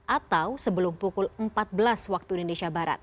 atau sebelum pukul empat belas waktu indonesia barat